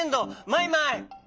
マイマイ！